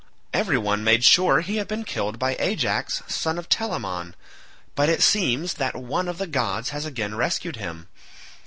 Every one made sure he had been killed by Ajax son of Telamon, but it seems that one of the gods has again rescued him.